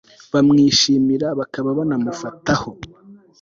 bamwishimira bakaba banamufataho